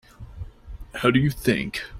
How do you think?